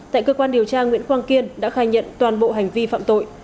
tại cơ quan điều tra nguyễn quang kiên đã khai nhận toàn bộ hành vi phạm tội